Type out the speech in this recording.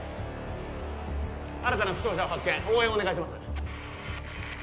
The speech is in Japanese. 新たな負傷者を発見応援お願いします